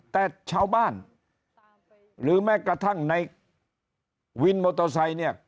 แต่ชาวบ้านหรือแม้กระทั่งในวินมอเตอร์ไซค์เนี่ย